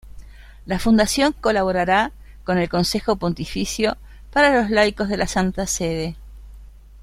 La Fundación colaborará con el Consejo Pontificio para los Laicos de la Santa Sede.